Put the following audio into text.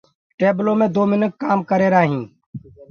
ٽيبلو مي دو منک ڪآم ڪرريهرآ هين